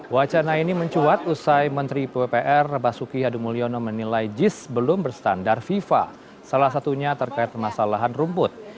wacana ini mencuat usai menteri pwpr basuki hadumulyono menilai jis belum berstandar fifa salah satunya terkait permasalahan rumput